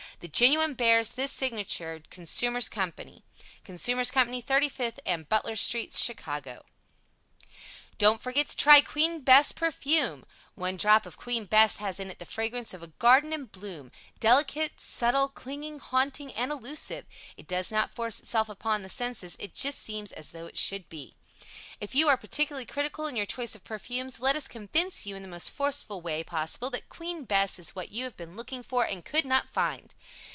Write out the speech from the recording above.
THE GENUINE BEARS THIS SIGNATURE CONSUMERS COMPANY CONSUMERS COMPANY 35TH & BUTLER STS. CHICAGO Don't Forget To Try "Queen Bess" Perfume One drop of "Queen Bess" has in it the fragrance of a garden in bloom delicate subtile, clinging, haunting, and elusive it does not force itself upon the senses it just seems as though it should be. If you are particularly critical in your choice of perfumes, let us convince you in the most forceful way possible that "Queen Bess" is what you have been looking for and could not find.